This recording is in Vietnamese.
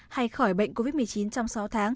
hay khỏi bệnh covid một mươi chín trong sáu tháng